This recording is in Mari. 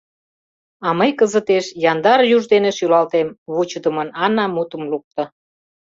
А мый кызытеш яндар юж дене шӱлалтем, — вучыдымын Анна мутым лукто.